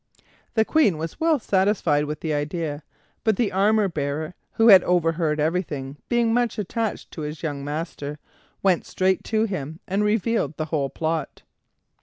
The Queen was well satisfied with the idea, but the armor bearer, who had overheard everything, being much attached to his young master, went straight to him and revealed the whole plot.